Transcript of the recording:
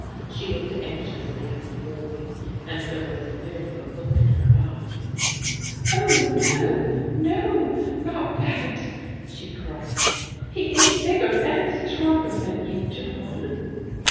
She looked anxiously at the boy and there was a fearful look in her eyes. " Oh no, no, not that !" she cried. " He i3 bigger and stronger than you, John."